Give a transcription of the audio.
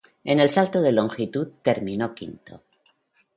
En el salto de longitud, terminó quinto.